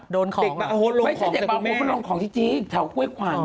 โดนของอะไม่ใช่เด็กบาหดคุณลงของจริงแถวเก้าขวาน